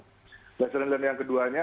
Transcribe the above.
dan lesson learn yang keduanya